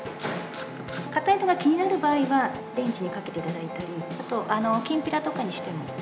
硬いのが気になる場合は、レンジにかけていただいたり、あとキンピラとかにしても。